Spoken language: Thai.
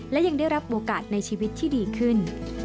และยังได้รับโอกาสในชีวิตที่ดีขึ้น